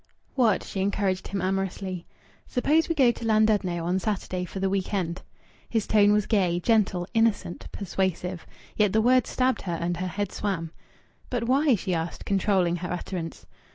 "What?" she encouraged him amorously. "Suppose we go to Llandudno on Saturday for the week end?" His tone was gay, gentle, innocent, persuasive. Yet the words stabbed her and her head swam. "But why?" she asked, controlling her utterance.